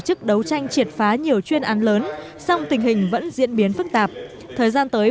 trình tranh triệt phá nhiều chuyên án lớn song tình hình vẫn diễn biến phức tạp thời gian tới